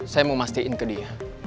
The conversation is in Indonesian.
saya mau mastiin ke dia